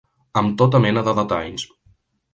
Amb tota mena de detalls.